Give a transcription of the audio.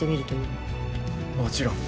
もちろん。